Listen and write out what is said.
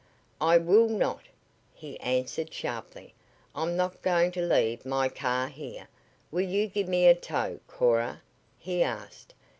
"I will not," he answered sharply. "I'm not going to leave my car here. Will you give me a tow, Cora?" he asked.